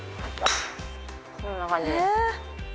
こんな感じです。